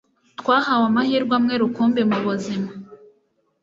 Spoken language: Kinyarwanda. twahawe amahirwe amwe rukumbi mu buzima